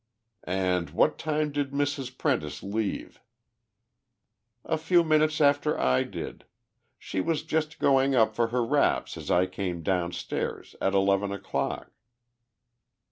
"And what time did Mrs. Prentice leave?" "A few minutes after I did. She was just going up for her wraps as I came downstairs at eleven o'clock."